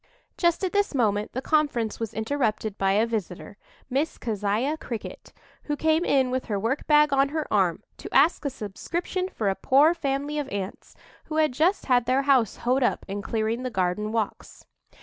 Just at this moment the conference was interrupted by a visitor, Miss Keziah Cricket, who came in with her work bag on her arm to ask a subscription for a poor family of Ants who had just had their house hoed up in clearing the garden walks.